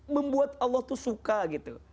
membuat allah tuh suka gitu